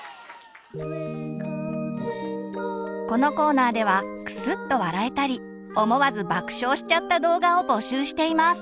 このコーナーではクスッと笑えたり思わず爆笑しちゃった動画を募集しています。